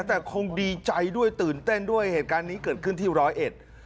แต่คงดีใจด้วยตื่นเต้นด้วยเหตุการณ์นี้เกิดขึ้นที่ร้อยเอ็ด